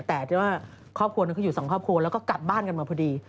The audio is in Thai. แต่ที่ว่าครอบครัวหนึ่งเขาอยู่สองครอบครัวแล้วก็กลับบ้านกันมาพอดี